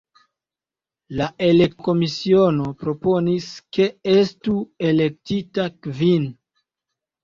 La elektokomisiono proponis, ke estu elektita kvin.